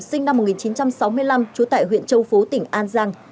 sinh năm một nghìn chín trăm sáu mươi năm trú tại huyện châu phú tỉnh an giang